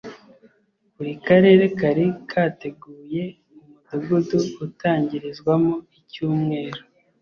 buri karere kari kateguye umudugudu utangirizwamo icyumweru